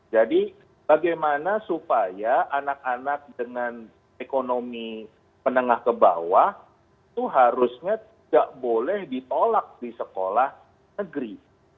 bagaimana supaya anak anak dengan ekonomi menengah ke bawah itu harusnya tidak boleh ditolak di sekolah negeri